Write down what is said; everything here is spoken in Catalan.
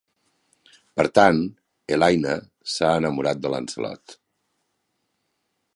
Per tant, Elaine s'ha enamorat de Lancelot.